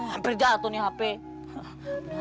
hampir jatuh nih hp